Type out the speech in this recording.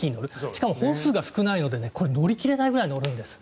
しかも本数が少ないのでこれ、乗り切れないくらい乗るんです。